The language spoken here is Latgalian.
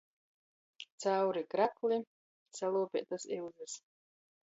Cauri krakli, saluopeitys iuzys.